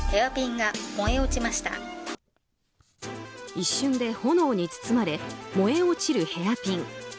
一瞬で炎に包まれ燃え落ちるヘアピン。